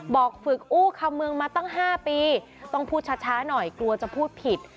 ฝึกอู้คำเมืองมาตั้ง๕ปีต้องพูดช้าหน่อยกลัวจะพูดผิด